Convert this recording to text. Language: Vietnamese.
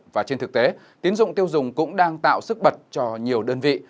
về thực tế tín dụng tiêu dùng cũng đang tạo sức bật cho nhiều đơn vị